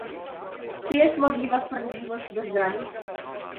Czy jest możliwa sprawiedliwość bez granic?